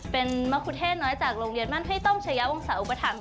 เป็นมคุเทศน้อยจากโรงเรียนมั่นพิต้มเฉยวงศาอุปธรรมค่ะ